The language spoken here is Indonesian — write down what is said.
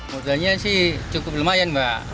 modalnya sih cukup lumayan mbak